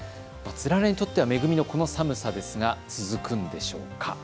つららにとっては恵みの寒さですが、続くんでしょうか。